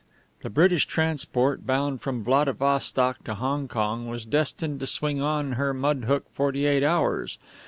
The British transport, bound from Vladivostok to Hong Kong, was destined to swing on her mudhook forty eight hours.